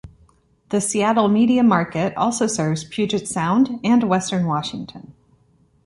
The Seattle media market also serves Puget Sound and Western Washington.